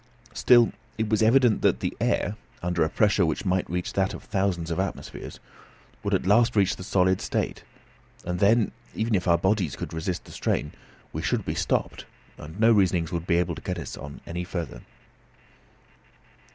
Still, it was evident that the air, under a pressure which might reach that of thousands of atmospheres, would at last reach the solid state, and then, even if our bodies could resist the strain, we should be stopped, and no reasonings would be able to get us on any farther.